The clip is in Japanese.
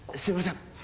すいません